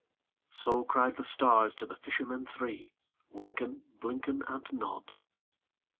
So cried the stars to the fishermen three, Wynken, Blynken, And Nod.